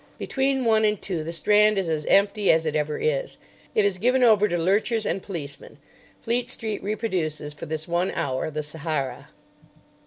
Between one and two the Strand is as empty as it ever is. It is given over to lurchers and policemen. Fleet Street reproduces for this one hour the Sahara.